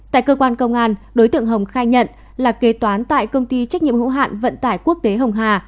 tại cơ quan công an đối tượng hồng khai nhận là kế toán tại công ty trách nhiệm hữu hạn vận tải quốc tế hồng hà